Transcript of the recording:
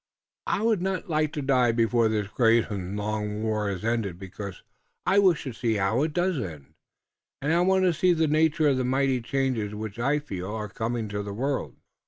"I would not like to die before this great und long war iss ended because I wish to see how it does end. Und I want to see the nature of the mighty changes which I feel are coming in the world."